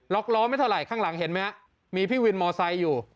ล้อไม่เท่าไหร่ข้างหลังเห็นไหมฮะมีพี่วินมอไซค์อยู่